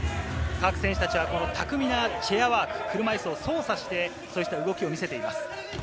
各選手たちは巧みなチェアワーク、車いすを操作して、そうした動きを見せています。